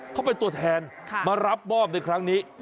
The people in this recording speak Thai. เขาเป็นตัวแทนมารับมอบในครั้งนี้